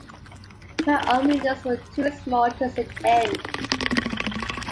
Her own windows were too small to sit in.